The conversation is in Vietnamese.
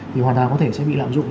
thì hoàn toàn có thể sẽ bị lạm dụng